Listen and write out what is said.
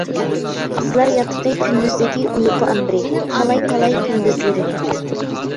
قىزلار ياتىقى كۈندۈزدىكى ئۇيقۇ ئامبىرى، تالاي-تالاي كۈندۈزلىرىنى.